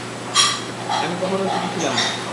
আমি কখনোই সুখী ছিলাম না।